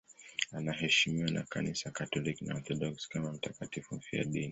Anaheshimiwa na Kanisa Katoliki na Waorthodoksi kama mtakatifu mfiadini.